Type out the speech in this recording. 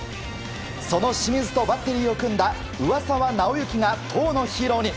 その清水とバッテリーを組んだ上沢直之が投のヒーローに。